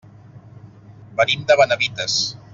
Venim de Benavites.